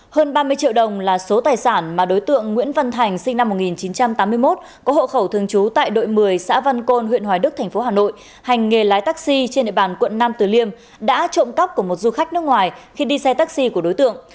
hơn ba mươi triệu đồng là số tài sản mà đối tượng nguyễn văn thành sinh năm một nghìn chín trăm tám mươi một có hộ khẩu thường trú tại đội một mươi xã văn côn huyện hoài đức thành phố hà nội hành nghề lái taxi trên địa bàn quận nam tử liêm đã trộm cắp của một du khách nước ngoài khi đi xe taxi của đối tượng